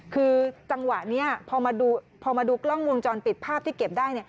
คือจังหวะนี้พอมาดูกล้องวงจรปิดภาพที่เก็บได้